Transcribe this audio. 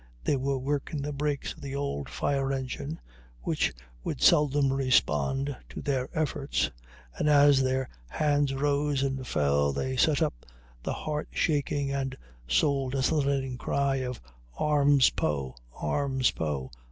They were working the brakes of the old fire engine, which would seldom respond to their efforts, and as their hands rose and fell they set up the heart shaking and soul desolating cry of "Arms Poe! arms Poe!